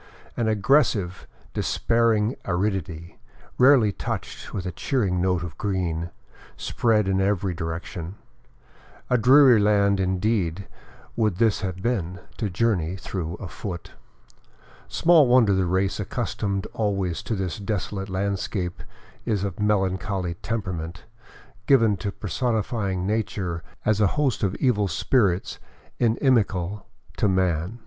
An aggres sive, despairing aridity, rarely touched with a cheering note of green, spread in every direction. A dreary land indeed would this have been J.80 THE COLLASUYU, OR " UPPER " PERU to journey through afoot. Small wonder the race accustomed always to this desolate landscape is of melancholy temperament, given to personifying nature as a host of evil spirits inimical to man.